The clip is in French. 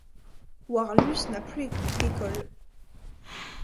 Warlus n'a plus d'école.